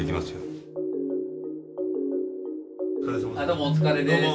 どうもお疲れです。